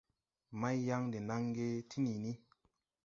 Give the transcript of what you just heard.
Maiyaŋ de naŋge ti niini.